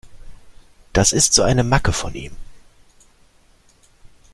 Das ist so eine Macke von ihm.